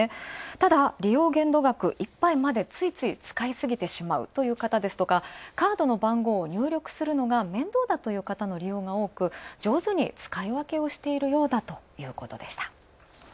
ただ、利用限度額いっぱいまでついつい使いすぎてしまうという方ですとか、カードの番号を入力するのが面倒だという方の利用が多く、上手に使い分けをしているようだということでした。